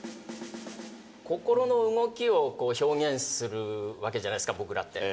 心の動きを表現するわけじゃないですか、僕らって。